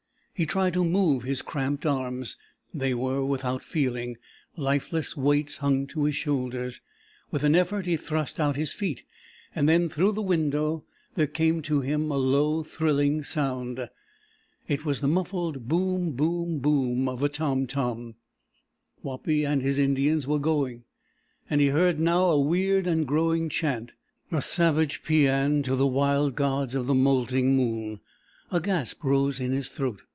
He tried to move his cramped arms. They were without feeling, lifeless weights hung to his shoulders. With an effort he thrust out his feet. And then through the window there came to him a low, thrilling sound. It was the muffled boom, boom, boom of a tom tom. Wapi and his Indians were going, and he heard now a weird and growing chant, a savage paean to the wild gods of the Moulting Moon. A gasp rose in his throat.